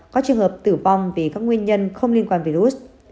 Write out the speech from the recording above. có trường hợp tử vong vì các nguyên nhân không liên quan virus